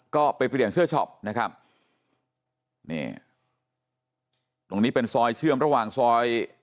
ก็ไปเปลี่ยนเสื้อช็อปนะครับนี่ตรงนี้เป็นซอยเชื่อมระหว่างซอย